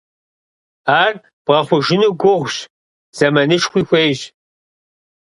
Ар бгъэхъужыну гугъущ, зэманышхуи хуейщ.